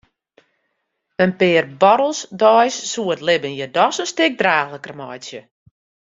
In pear buorrels deis soe it libben hjir dochs in stik draachliker meitsje.